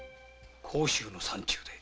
甲州の山中で？